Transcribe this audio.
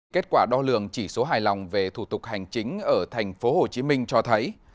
kết quả đo lường chỉ số hài lòng về thủ tục hành chính ở tp hcm cho thấy